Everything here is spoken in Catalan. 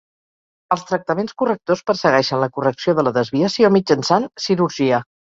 Els tractaments correctors persegueixen la correcció de la desviació mitjançant cirurgia.